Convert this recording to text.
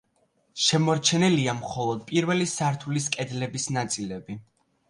შემორჩენილია მხოლოდ პირველი სართულის კედლების ნაწილები.